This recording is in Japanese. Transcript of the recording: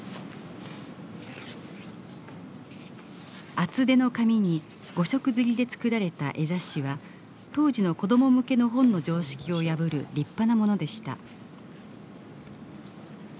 厚手の紙に５色刷りで作られた絵雑誌は当時の子ども向けの本の常識を破る立派なものでした。